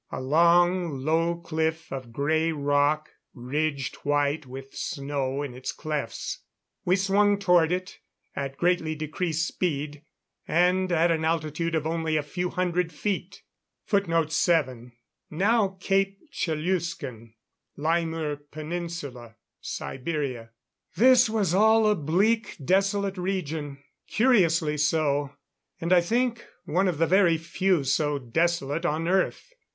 A long, low cliff of grey rock, ridged white with snow in its clefts. We swung toward it, at greatly decreased speed, and at an altitude of only a few hundred feet. [Footnote 7: Now Cape Chelyuskin, Laimur Peninsula, Siberia.] This was all a bleak, desolate region curiously so and I think, one of the very few so desolate on Earth.